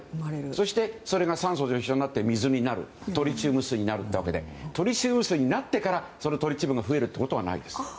そして、それが酸素と一緒になって水になってトリチウム水になるというわけでトリチウム水になってからトリチウムが増えることはないです。